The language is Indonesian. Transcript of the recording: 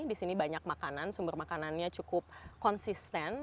di sini banyak makanan sumber makanannya cukup konsisten